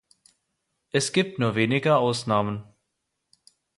Es gibt nur wenige Ausnahmen.